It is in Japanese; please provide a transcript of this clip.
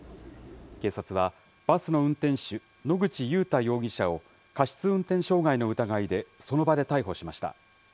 警察は、バスの運転手、野口祐太容疑者を過失運転傷害の疑いで、その場で逮捕しました。